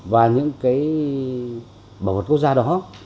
và những cái bảo vật quốc gia đó